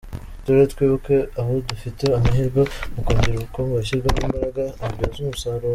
Uturere twibuke aho dufite amahirwe mu kongera ubukungu hashyirwe imbaraga habyazwe umusaruro.